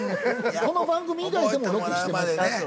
この番組以外でもロケしてます。